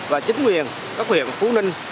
và chính quyền các huyện phú ninh